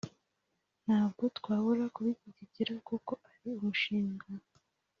Ntabwo twabura kubishyigikira kuko ari umushinga